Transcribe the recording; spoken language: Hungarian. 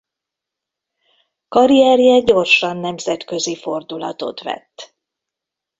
Karrierje gyorsan nemzetközi fordulatot vett.